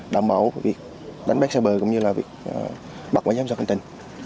đảm bảo việc đánh bét xe bờ cũng như là việc bắt máy giám sát hành trình